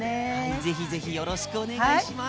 是非是非よろしくお願いします。